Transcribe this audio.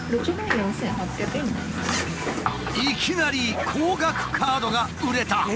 いきなり高額カードが売れた！